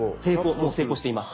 もう成功しています。